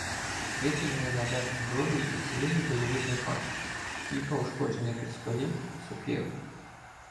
Викинули наверх зброю й уцілілі бойові припаси, кілька ушкоджених рискалів, сокиру.